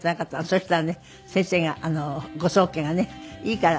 そしたらね先生がご宗家がね「いいから。